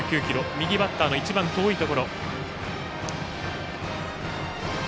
右バッターの一番遠いところ。